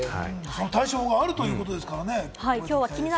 対処法があるということですからね。